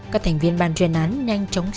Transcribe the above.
các thành viên ban truyền án nhanh chóng